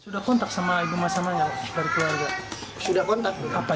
disampaikan waktu itu